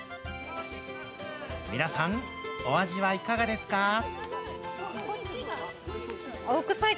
皆さん、お味はいかがですか。